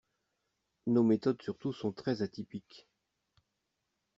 Nos méthodes surtout sont très atypiques.